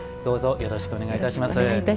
よろしくお願いします。